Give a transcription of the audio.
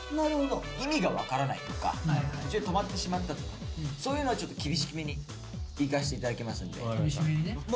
意味が分からないとか途中で止まってしまったとかそういうのはちょっと厳しめにいかして頂きますんで。